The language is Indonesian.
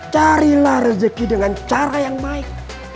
carilah rezeki dengan cara yang baik